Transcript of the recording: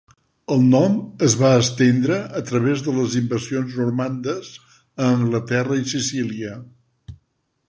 El nom es va estendre a través de les invasions normandes a Anglaterra i Sicília.